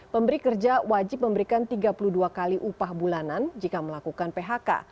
pemberi kerja wajib memberikan tiga puluh dua kali upah bulanan jika melakukan phk